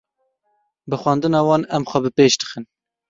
Bi xwendina wan, em xwe bi pêş dixin.